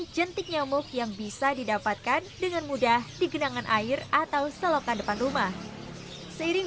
jentik nyamuk yang bisa didapatkan dengan mudah di genangan air atau selokan depan rumah seiring